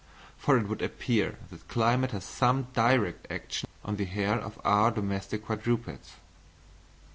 For it would appear that climate has some direct action on the hair of our domestic quadrupeds.